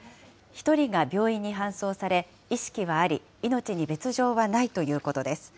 １人が病院に搬送され、意識はあり、命に別状はないということです。